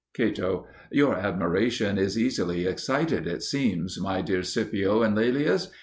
Cato. Your admiration is easily excited, it seems, my dear Scipio and Laelius.